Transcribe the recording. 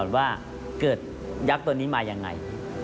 ก่อนว่าเกิดยักษ์ตัวนี้ออกมาอย่างไร